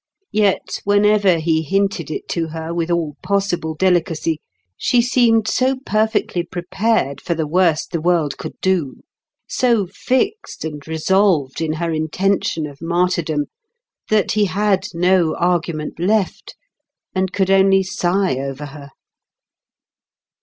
Yet whenever he hinted it to her with all possible delicacy, she seemed so perfectly prepared for the worst the world could do, so fixed and resolved in her intention of martyrdom, that he had no argument left, and could only sigh over her.